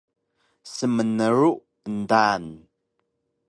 Smnru endaan